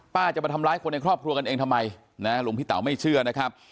จะมาทำร้ายคนในครอบครัวกันเองทำไมนะหลวงพี่เต๋าไม่เชื่อนะครับ